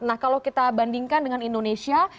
nah kalau kita bandingkan dengan indonesia